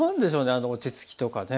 あの落ち着きとかね。